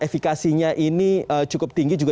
efekasinya ini cukup tinggi juga